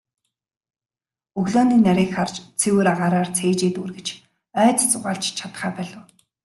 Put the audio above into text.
Өглөөний нарыг харж, цэвэр агаараар цээжээ дүүргэж, ойд зугаалж чадахаа болив.